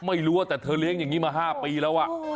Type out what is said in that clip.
ไม่รู้ว่าแต่เธอเลี้ยงอย่างนี้มา๕ปีแล้ว